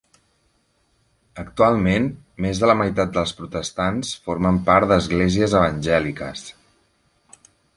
Actualment, més de la meitat dels protestants formen part d'esglésies evangèliques.